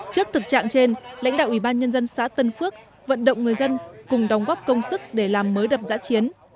trước thực trạng trên lãnh đạo ủy ban nhân dân xã tân phước vận động người dân cùng đóng góp công sức để làm mới đập giã chiến